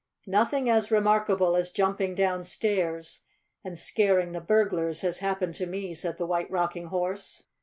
"Nothing as remarkable as jumping downstairs and scaring the burglars has happened to me," said the White Rocking Horse.